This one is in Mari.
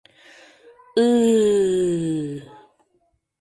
Ы-ы-ы!..